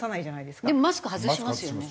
でもマスク外しますよね。